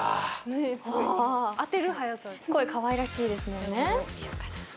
声かわいらしいですもんね。